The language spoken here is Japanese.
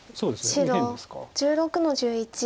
白１６の十一。